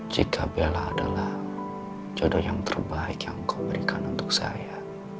jika bella adalah jodoh yang terbaik yang kau berikan untuk saya